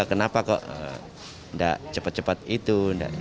kenapa kok tidak cepat cepat itu